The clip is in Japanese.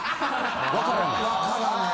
わからない？